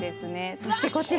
そしてこちら。